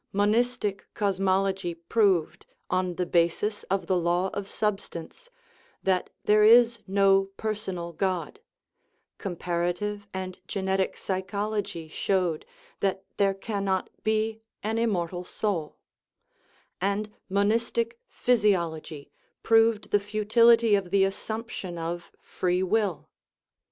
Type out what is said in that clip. Monistic cosmology proved, on the basis of the law of substance, that there is no person al God; comparative and genetic psychology showed that there cannot be an immortal soul ; and monistic physiology proved the futility of the assumption of " free will."